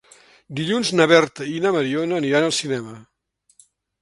Dilluns na Berta i na Mariona aniran al cinema.